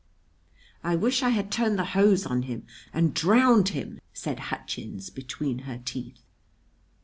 "I wish I had turned the hose on him and drowned him!" said Hutchins between her teeth.